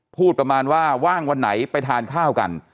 พูดประมาณว่าว่างวันไหนไปทานข้าวกัน